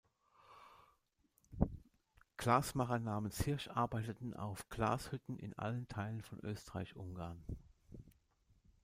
Glasmacher namens Hirsch arbeiteten auf Glashütten in allen Teilen von Österreich-Ungarn.